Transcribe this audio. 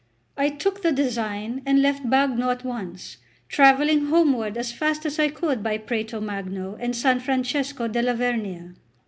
I took the design and left Bagno at once, travelling homeward as fast as I could by Prato Magno and San Francesco della Vernia.